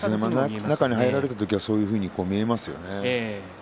中に入られた時はそういうふうに見えますよね。